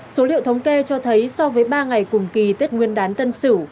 số liệu thống kê cho thấy so với ba ngày cùng kỳ tết nguyên đán tân sửu